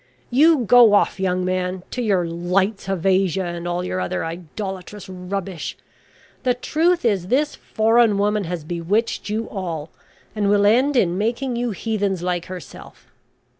"You go off, young man, to your `Lights of Asia,' and all your other idolatrous rubbish. The truth is this foreign woman has bewitched you all, and will end in making you heathens like herself.